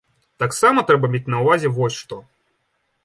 Таксама трэба мець на ўвазе вось што.